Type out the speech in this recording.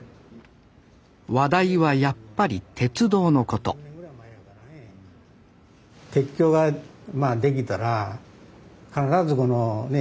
話題はやっぱり鉄道のこと鉄橋が出来たら必ずこのね